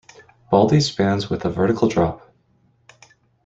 Baldy spans with a vertical drop.